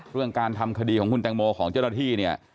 เรื่องการทำคดีของคุณแตงโมของเจ้าหน้าที่เนี่ย